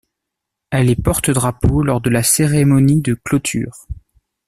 Elle est porte-drapeau lors de la cérémonie de clôture.